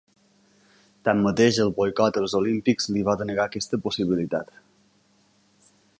Tanmateix, el boicot als Olímpics li va denegar aquesta possibilitat.